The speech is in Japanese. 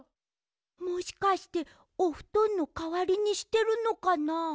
もしかしておふとんのかわりにしてるのかな？